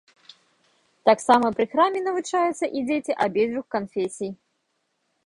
Таксама пры храме навучаюцца і дзеці абедзвюх канфесій.